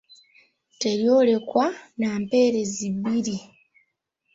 Teryolekwa na mpeerezi bbiri.